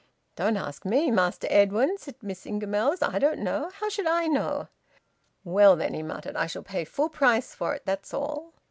"Don't ask me, Master Edwin," said Miss Ingamells; "I don't know. How should I know?" "Well, then," he muttered, "I shall pay full price for it that's all."